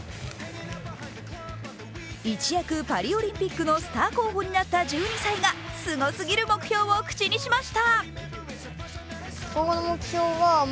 一躍パリオリンピックのスター候補になった１２歳がすごすぎる目標を口にしました。